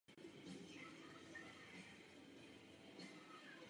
Skutečně jde o naši důvěryhodnost.